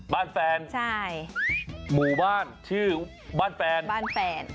แฟนใช่หมู่บ้านชื่อบ้านแฟนบ้านแฟน